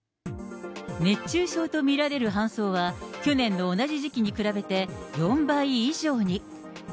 熱中症と見られる搬送は、去年の同じ時期に比べて、４倍以上に。